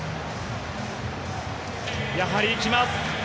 やはり行きます。